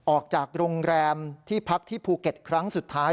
ออกจากโรงแรมที่พักที่ภูเก็ตครั้งสุดท้าย